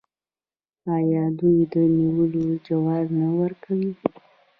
آیا دوی د نیولو جواز نه ورکوي؟